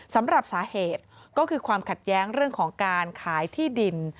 สำหรับสาเหตุก็คือความขัดแย้งเรื่องของการขายที่ดิน